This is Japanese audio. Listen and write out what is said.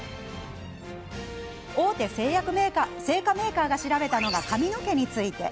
大手製菓メーカーが調べたのが髪の毛について。